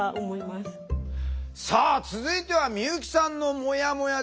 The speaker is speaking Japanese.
さあ続いては美由紀さんのもやもやです。